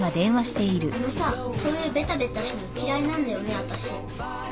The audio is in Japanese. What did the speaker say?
・あのさそういうべたべたしたの嫌いなんだよね私。